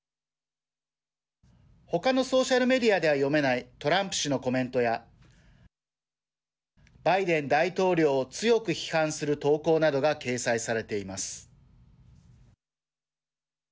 ほかのソーシャル・メディアでは読めないトランプ氏のコメントやバイデン大統領を強く批判する投稿などが掲載されています。